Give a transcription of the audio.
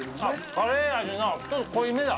カレー味の、ちょっと濃いめだ。